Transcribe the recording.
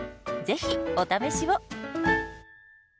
ぜひお試しを！